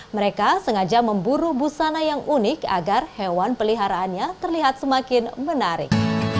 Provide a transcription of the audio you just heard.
mereka sengaja memburu busana yang unik agar hewan peliharaannya terlihat semakin menarik